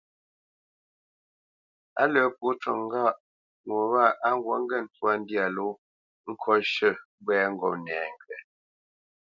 A lə́ pó cû ŋgâʼ nɛ wâ á ŋgǔt ŋgê ntwá ndyâ ló kot shʉ̂ ŋgwě ŋgop nɛŋgywa,